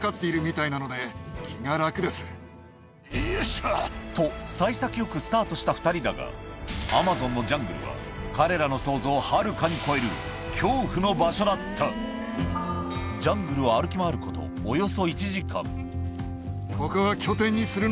よいしょ！と幸先よくスタートした２人だがアマゾンのジャングルは彼らの想像をはるかに超える恐怖の場所だったジャングルを歩き回ることおりゃ！